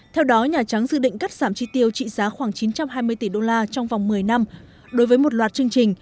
theo đó nhà trắng dự định cắt giảm chi tiêu trị giá khoảng chín trăm hai mươi tỷ đô la trong vòng một mươi năm đối với một loạt chương trình